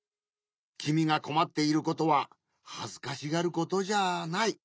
きみがこまっていることははずかしがることじゃない。